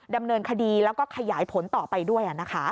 ดำเนินคดีแล้วก็ขยายผลต่อไปด้วย